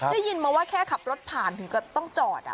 ได้ยินมาว่าแค่ขับรถผ่านถึงก็ต้องจอด